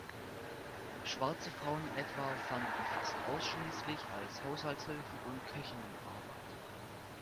Schwarze Frauen etwa fanden fast ausschließlich als Haushaltshilfen und Köchinnen Arbeit.